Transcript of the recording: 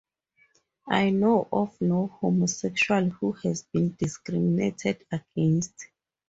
I know of no homosexual who has been discriminated against.